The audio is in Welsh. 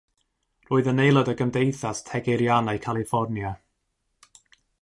Roedd yn aelod o Gymdeithas Tegeirianau Califfornia.